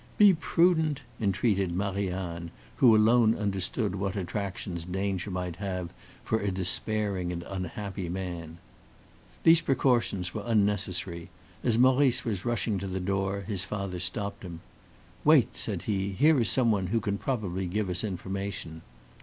"Be prudent!" entreated Marie Anne, who alone understood what attractions danger might have for a despairing and unhappy man. These precautions were unnecessary. As Maurice was rushing to the door, his father stopped him. "Wait," said he; "here is someone who can probably give us information."